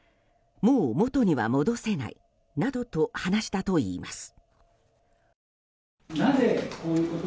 もうもとには戻せないなどと話したといいます。